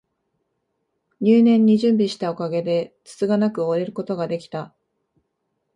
入念に準備したおかげで、つつがなく終えることが出来た